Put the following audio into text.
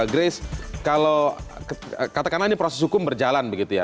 grace kalau katakanlah ini proses hukum berjalan begitu ya